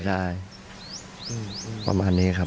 ได้ประมาณนี้ครับ